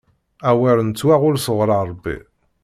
Awer nettwaɣull sɣuṛ Ṛebbi!